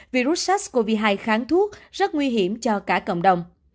virus sars cov hai kháng thuốc rất nguy hiểm cho cả cộng đồng